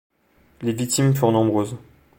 Les victimes furent nombreuses.